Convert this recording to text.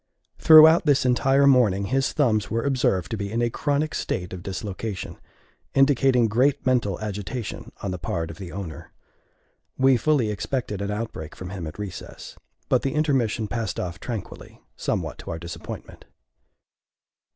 Throughout this entire morning his thumbs were observed to be in a chronic state of dislocation, indicating great mental agitation on the part of the owner. We fully expected an outbreak from him at recess; but the intermission passed off tranquilly, somewhat to our disappointment.